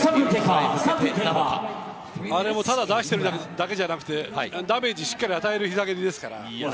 あれも、ただ出しているだけじゃなくてダメージしっかり与えるひざ蹴りですから。